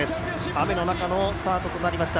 雨の中のスタートとなりました。